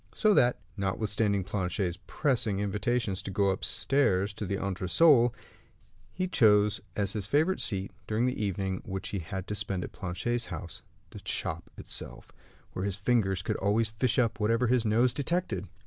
So that, notwithstanding Planchet's pressing invitations to go upstairs to the entresol, he chose as his favorite seat, during the evening which he had to spend at Planchet's house, the shop itself, where his fingers could always fish up whatever his nose detected.